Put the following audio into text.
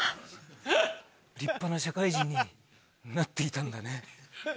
立派な社会人になっていたんだね。